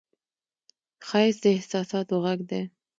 ښایست د احساساتو غږ دی